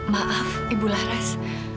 maaf ibu laras